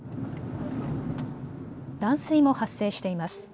断水も発生しています。